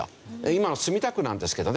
今の墨田区なんですけどね